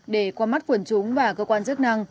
để qua mắt quần chúng và cơ quan chức năng